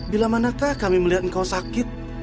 bila manakah kami melihat engkau sakit